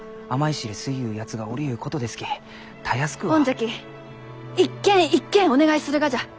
ほんじゃき一軒一軒お願いするがじゃ。